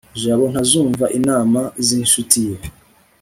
jabo ntazumva inama z'inshuti ye